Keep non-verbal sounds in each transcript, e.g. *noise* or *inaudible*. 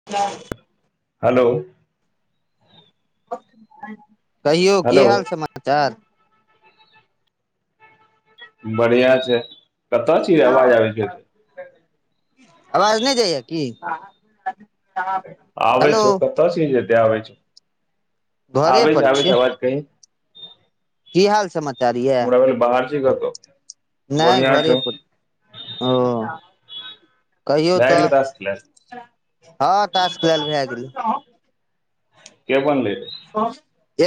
*unintelligible* hello कहियौ की hello हाल समाचार बढ़िया छै कता छीहि अवाज आबै छौ एते आवाज नहि जाइया की आबइ हेलो छौ कतय छिही जे एते आबय छौ घरे आबइ छौ पर आबइ छियै छौ अवाज कहि की हाल समाचार यऽ हमरा भेल बाहर छिही कतौ नहि बढ़िआँ छौ घरेपर छिए कहियौ भए गेलै तास क्लास तऽ हँ ताश खेलल भए गेलै के बनले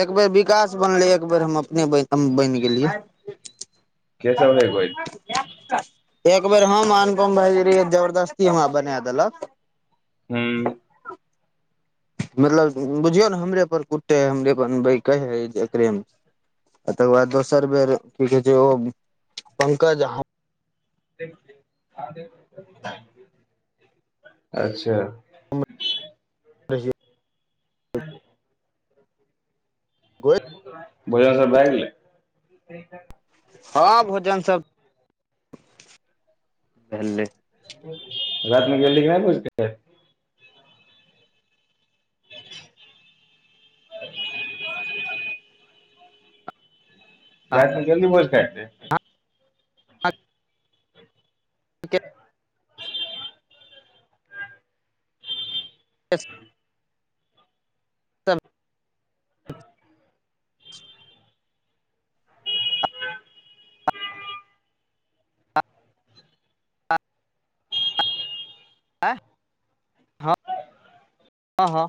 एक बेर विकास बनले एक बेर हम अपने बैन हम बनि गेलियै के सब रहै कोइ *unintelligible* एक बेर हम अनुपम भाइजी रहियै तऽ जबरदस्ती हमरा बना देलक हू मतलब बुझियौ नऽ हमरे पर कुटे हमरे पर बनबै कहै एकरे मे आ तकर बाद दोसर बेर की कहे छै ओ पंकज आ *unintelligible* अच्छा *unintelligible* *inaudible* भोजन सभ भए गेलैय हँ भोजन सभ भेलै राति मे गेलही कि नहि भोज खाइ *unintelligible* रातिमे गेल रही भोज खाइले रे के *unintelligible* आँय हँ हँ